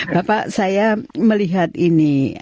bapak saya melihat ini